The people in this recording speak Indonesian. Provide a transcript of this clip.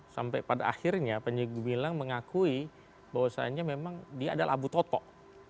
sampai pada akhirnya panjigu milang mengakui bahwasanya dia adalah abu totok